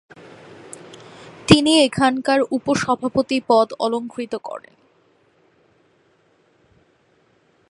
তিনি এখানকার উপ সভাপতি পদ অলংকৃত করেন।